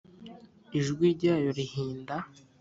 Ijwi ryayo rihinda